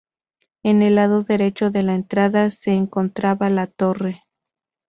En el lado derecho de la entrada se encontraba la torre.